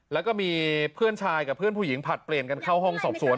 แล้วก็มีเพื่อนชายกับเพื่อนผู้หญิงผลัดเปลี่ยนกันเข้าห้องสอบสวน